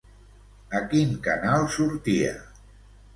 A quin canal sortia?